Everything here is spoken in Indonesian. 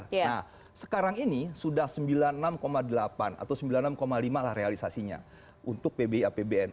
nah sekarang ini sudah sembilan puluh enam delapan atau sembilan puluh enam lima lah realisasinya untuk pbi apbn